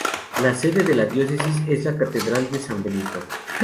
La sede de la Diócesis es la Catedral de San Benito.